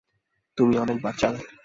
তুমি অনেক বাচাল।